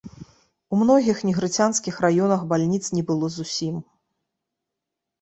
У многіх негрыцянскіх раёнах бальніц не было зусім.